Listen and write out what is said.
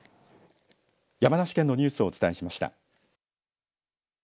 山梨県のニュースをお伝えしました。